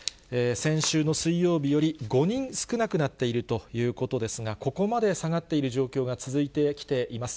先週の水曜日より５人少なくなっているということですが、ここまで下がっている状況が続いてきています。